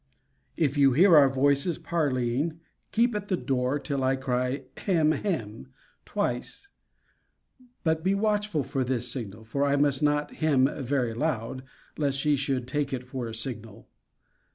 If you hear our voices parleying, keep at the door till I cry Hem, hem, twice: but be watchful for this signal; for I must not hem very loud, lest she should take it for a signal.